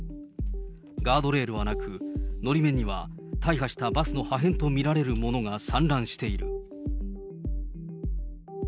ガードレールはなく、のり面には大破したバスの破片と見られるものが散乱している。